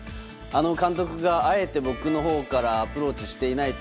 監督が、あえて僕のほうからアプローチしていないと